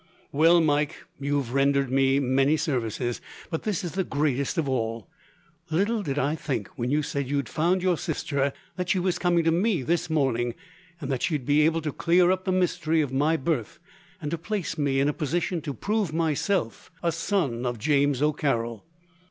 "Well, Mike, you have rendered me many services, but this is the greatest of all. Little did I think, when you said you had found your sister, and that she was coming to me this morning, that she would be able to clear up the mystery of my birth, and to place me in a position to prove myself a son of James O'Carroll.